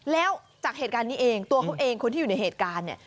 แล้วจากเหตุการณ์นี้เองตัวเขาเองคนที่อยู่ในเหตุการณ์เนี่ย